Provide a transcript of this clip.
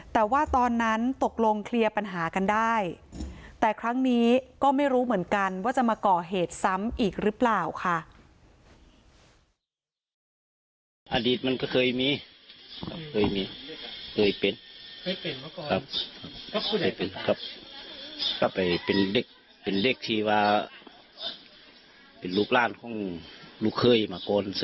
แต่ว่าตอนนั้นตกลงเคลียร์ปัญหากันได้แต่ครั้งนี้ก็ไม่รู้เหมือนกันว่าจะมาก่อเหตุซ้ำอีกหรือเปล่าค่ะ